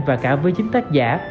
và cả với chính tác giả